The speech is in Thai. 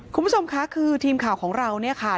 คุณผู้ชมค่ะคือทีมข่าวของเราเนี่ยค่ะ